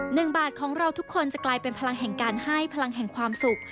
หนึ่งบาทของเราทุกคนจะกลายเป็นพลังแห่งการให้พลังแห่งความสุข